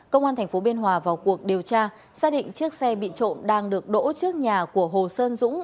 công an thành phố biên hòa vào cuộc điều tra xác định chiếc xe bị trộm đang được đổ trước nhà của hồ sơn dũng